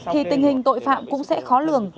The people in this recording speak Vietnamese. thì tình hình tội phạm cũng sẽ khó lường